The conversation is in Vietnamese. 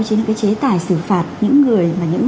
trên cái chế tài xử phạt những người